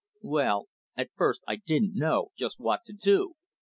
Well, at first I didn't know just what to do.